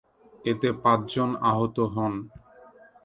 এতে পাঁচজন আহত হন।